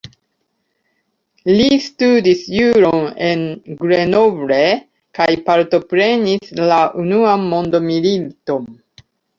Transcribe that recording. Li studis juron en Grenoble kaj partoprenis la Unuan Mondmiliton.